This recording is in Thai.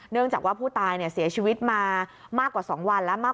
เนื่องจากว่าผู้ตายเสียชีวิตมามากกว่า๒วันแล้วมาก